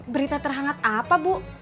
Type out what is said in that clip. berita terangat apa bu